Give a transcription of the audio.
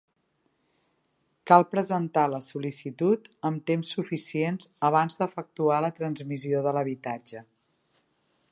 Cal presentar la sol·licitud amb temps suficient abans d'efectuar la transmissió de l'habitatge.